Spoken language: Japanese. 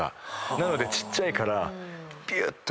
なのでちっちゃいからピュッと。